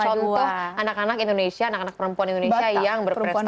semua anak anak indonesia anak anak perempuan indonesia yang berprestasi